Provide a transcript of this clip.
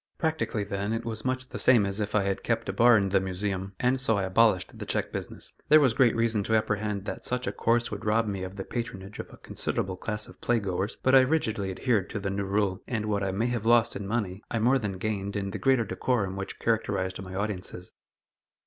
Practically, then, it was much the same as if I had kept a bar in the Museum, and so I abolished the check business. There was great reason to apprehend that such a course would rob me of the patronage of a considerable class of play goers, but I rigidly adhered to the new rule, and what I may have lost in money, I more than gained in the greater decorum which characterized my audiences.